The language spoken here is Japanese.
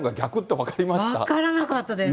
分からなかったです。